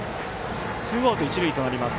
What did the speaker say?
ツーアウト、一塁となります。